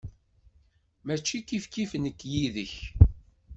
Mačči kifkif nekk yid-k.